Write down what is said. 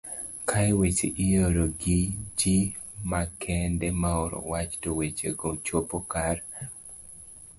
kae weche ioro gi gi makende maoro wach to weche go chopo kar